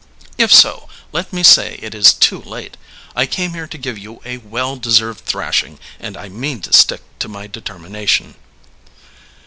If so, let me say it is too late; I came here to give you a well deserved thrashing, and I mean to stick to my determination."